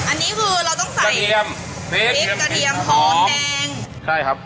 อันนี้คือเราต้องใส่เทียมพริกกระเทียมหอมแดงใช่ครับ